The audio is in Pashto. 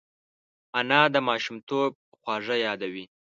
انا د ماشومتوب خواږه یادوي